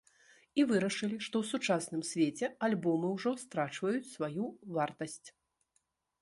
І вырашылі, што ў сучасным свеце альбомы ўжо страчваюць сваю вартасць.